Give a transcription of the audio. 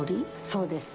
そうです。